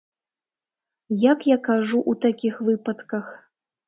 Як я кажу ў такіх выпадках?